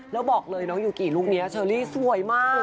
แล้วบอกเลยน้องยูกิลูกนี้เชอรี่สวยมาก